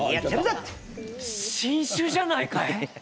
新種じゃないかえ？